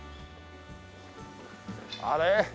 あれ？